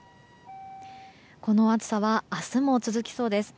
この暑さは明日も続きそうです。